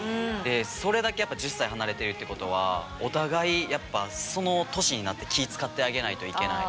それだけやっぱ１０歳離れてるってことはお互いやっぱその年になって気遣ってあげないといけない。